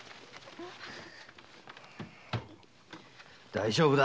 大丈夫だ。